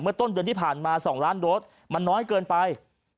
ต้นเดือนที่ผ่านมา๒ล้านโดสมันน้อยเกินไป